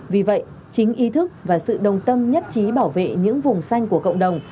vì vậy chính ý thức và sự đồng tâm nhất trí bảo vệ những vùng xanh của cộng đồng